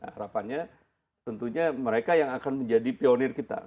harapannya tentunya mereka yang akan menjadi pionir kita